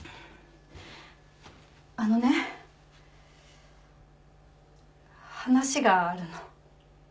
あのね話があるの。